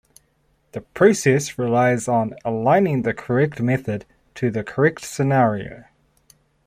The process relies on aligning the correct method to the correct scenario.